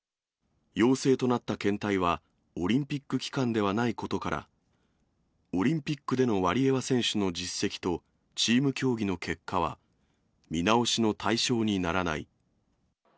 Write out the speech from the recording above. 陽性となった検体は、オリンピック期間ではないことから、オリンピックでのワリエワ選手の実績とチーム競技の結果は、見直しの対象にならない。